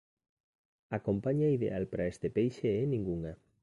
A compaña ideal para este peixe é ningunha.